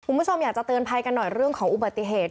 คุณผู้ชมอยากจะเตือนภัยกันหน่อยเรื่องของอุบัติเหตุ